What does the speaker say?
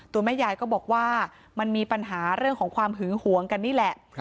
แม่ยายก็บอกว่ามันมีปัญหาเรื่องของความหึงหวงกันนี่แหละ